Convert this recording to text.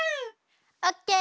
オッケー！